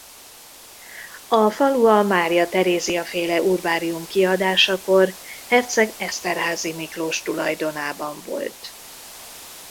A falu a Mária Terézia-féle urbárium kiadásakor herceg Eszterházi Miklós tulajdonában volt.